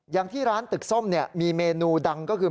อย่างที่ร้านตึกส้มมีเมนูดังก็คือ